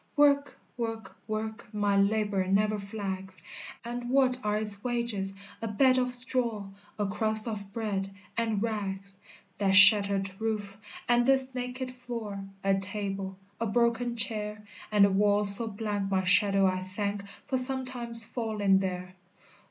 "Work work work My labor never flags; And what are its wages? A bed of straw, A crust of bread and rags, That shattered roof and this naked floor A table a broken chair And a wall so blank my shadow I thank For sometimes falling there!